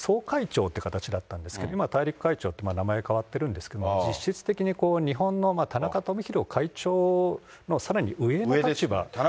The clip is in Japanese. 家庭間の中で総会長って形だったんですけど、今、大陸会長って名前は変わってるんですけど、実質的に日本の田中富広会長のさらに上の立場ではないかと。